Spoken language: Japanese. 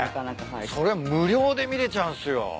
それ無料で見れちゃうんすよ。